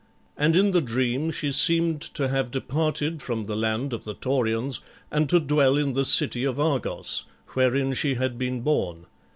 And in the dream she seemed to have departed from the land of the Taurians and to dwell in the city of Argos, wherein she had been born.